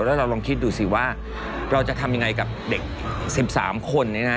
แล้วเราลองคิดดูสิว่าเราจะทำยังไงกับเด็ก๑๓คนนี้นะ